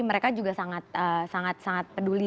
mereka juga sangat peduli